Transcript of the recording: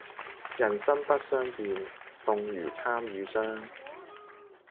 人生不相見，動如參與商。